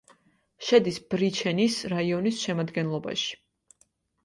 შედის ბრიჩენის რაიონის შემადგენლობაში.